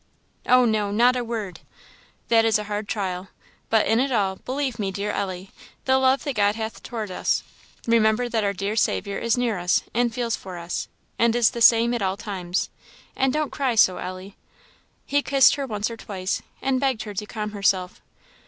"Oh, no! not a word!" "That is a hard trial. But, in it all, believe, dear Ellie, the love that God hath towards us; remember that our dear Saviour is near us, and feels for us, and is the same at all times. And don't cry so, Ellie!" He kissed her once or twice, and begged her to calm herself.